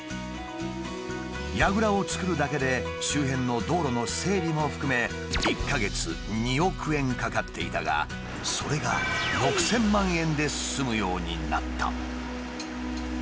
やぐらをつくるだけで周辺の道路の整備も含め１か月２億円かかっていたがそれが６，０００万円で済むようになった。